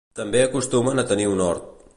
També acostumen a tenir un hort.